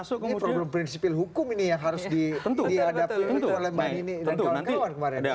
ini prinsipil hukum ini yang harus diadapi oleh mbani dan kawan kawan kemarin